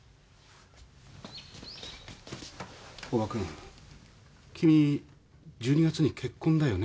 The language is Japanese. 大庭くん君１２月に結婚だよね？